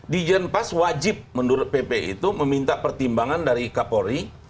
di jenpas wajib menurut pp itu meminta pertimbangan dari kapolri